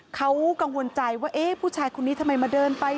เขากังวลใจว่าเอ๊ะผู้ชายคนนี้ทำไมมาเดินไป